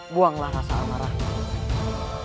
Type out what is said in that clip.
buanglah rasa marahmu